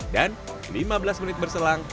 dan lima belas menit berselang